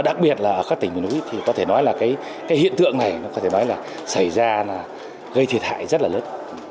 đặc biệt là ở các tỉnh miền núi thì có thể nói là cái hiện tượng này có thể nói là xảy ra là gây thiệt hại rất là lớn